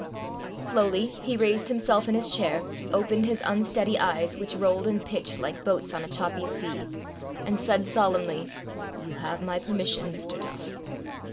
Slowly he raised himself in his chair, opened his unsteady eyes, which rolled and pitched like boats on a choppy sea, and said solemnly, "You have my permission, Mr. Duff."